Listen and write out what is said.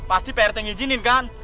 pasti prt yang izinin kan